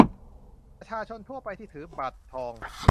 ประชาชนทั่วไปที่ถือบัตรทอง